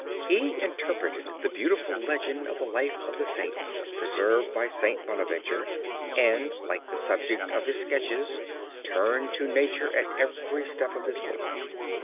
He interpreted the beautiful legend of the life of the Saint preserved by St. Bonaventure, and like the subject of his sketches turned to nature at every step of his work.